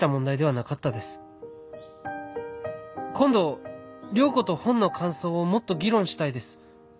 今度良子と本の感想をもっと議論したいです。